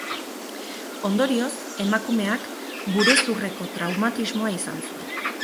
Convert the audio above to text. Ondorioz, emakumeak burezurreko traumatismoa izan zuen.